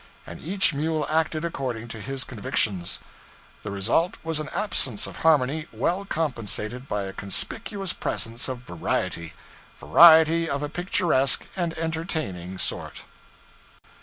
And each mule acted according to his convictions. The result was an absence of harmony well compensated by a conspicuous presence of variety variety of a picturesque and entertaining sort.